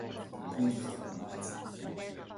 Bhí buinneach orm ar maidin